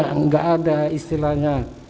tidak ada istilahnya